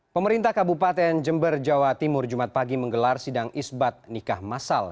pemerintah kabupaten jember jawa timur jumat pagi menggelar sidang isbat nikah masal